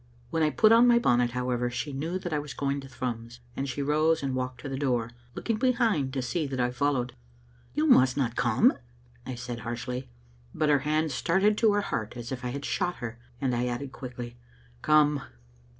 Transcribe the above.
When I put on my bonnet, however, she knew that I was going to Thrums, and she rose and walked to the door, looking behind to see that I followed. "Yon must not come," I said harshly, but her hand started to her heart as if I had shot her, and I added quickly, " Come.